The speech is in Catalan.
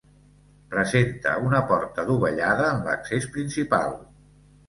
Presenta una porta dovellada en l'accés principal.